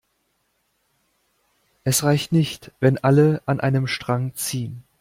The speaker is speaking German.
Es reicht nicht, wenn alle an einem Strang ziehen.